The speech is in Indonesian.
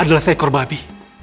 adalah seekor babi